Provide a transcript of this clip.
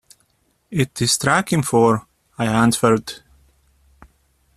‘It is striking four,’ I answered.